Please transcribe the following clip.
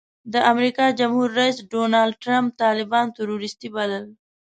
د امریکا جمهور رئیس ډانلډ ټرمپ طالبان ټروریسټي بلل.